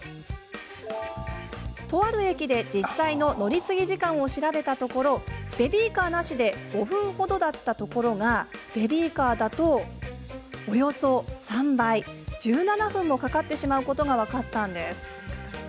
とある駅で、実際の乗り継ぎ時間を調べたところベビーカーなしで５分ほどだったところがベビーカーだと、およそ３倍１７分もかかってしまうことが分かったんです。